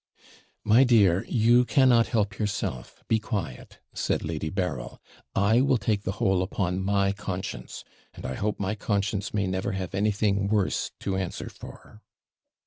'My dear, you cannot help yourself; be quiet,' said Lady Berryl; 'I will take the whole upon my conscience; and I hope my conscience may never have anything worse to answer for.'